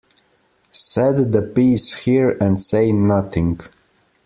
Set the piece here and say nothing.